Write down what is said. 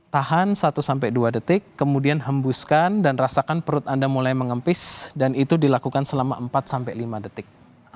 tahan satu sampai dua detik kemudian hembuskan dan rasakan perut anda mulai mengempis dan itu dilakukan selama empat sampai lima detik